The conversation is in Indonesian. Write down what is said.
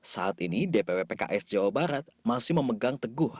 saat ini dpw pks jawa barat masih memegang teguh